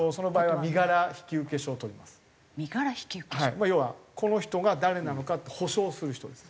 まあ要はこの人が誰なのかって保証する人ですね。